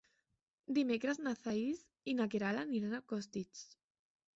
Dimecres na Thaís i na Queralt aniran a Costitx.